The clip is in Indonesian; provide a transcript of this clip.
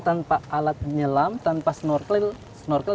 tanpa alat nyelam tanpa snorkel